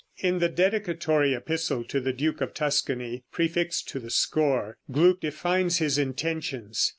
In the dedicatory epistle to the duke of Tuscany, prefixed to the score, Gluck defines his intentions.